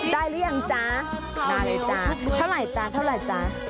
ได้หรือยังจ๊ะมาเลยจ๊ะ